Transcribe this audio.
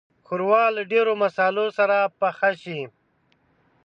ښوروا له ډېرو مصالحو سره پخه شي.